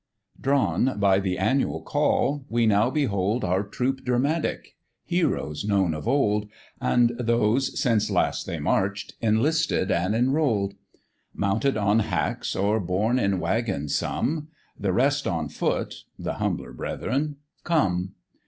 DRAWN by the annual call, we now behold Our Troop Dramatic, heroes known of old, And those, since last they march'd, enlisted and enrolled: Mounted on hacks or borne in waggons some, The rest on foot (the humbler brethren) come.